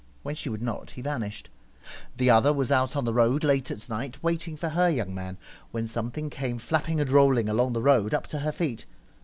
When she would not he vanished. The other was out on the road late at night waiting for her young man, when something came flapping and rolling along the road up to her feet.